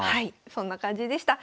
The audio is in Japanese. そんな感じでした。